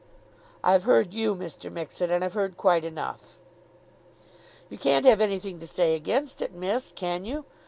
"I've heard you, Mr. Mixet, and I've heard quite enough." "You can't have anything to say against it, miss; can you?